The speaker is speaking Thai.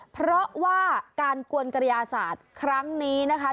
เพราะว่าการกวนกระยาศาสตร์ครั้งนี้นะคะ